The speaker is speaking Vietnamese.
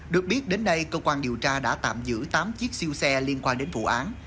được biết đến nay cơ quan điều tra đã tạm giữ tám chiếc siêu xe liên quan đến vụ án